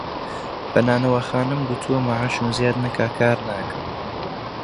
بە نانەواخانەم گوتووە مەعاشم زیاد نەکا کار ناکەم